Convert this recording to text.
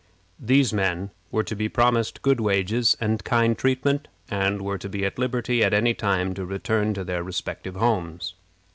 These men were to be promised good wages and kind treatment, and were to be at liberty at any time to return to their respective homes.